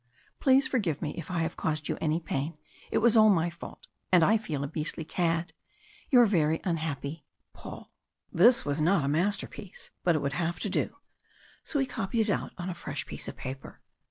Please forgive me if I have caused you any pain. It was all my fault, and I feel a beastly cad. Your very unhappy PAUL." This was not a masterpiece! but it would have to do. So he copied it out on a fresh piece of paper.